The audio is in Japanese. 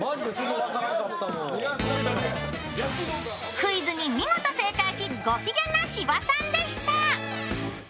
クイズに見事正解しご機嫌な芝さんでした。